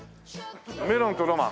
メロンとロマン。